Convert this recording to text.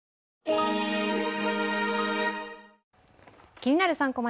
気になる「３コマ」